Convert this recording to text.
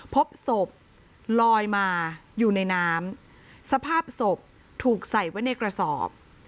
พบศพลอยมาอยู่ในน้ำสภาพศพถูกใส่ไว้ในกระสอบ